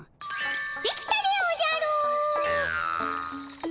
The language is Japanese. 出来たでおじゃる！